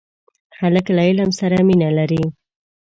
هلک له علم سره مینه لري.